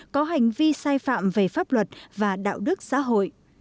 có hành vi sai phạm về pháp luật và đạo đức xã hội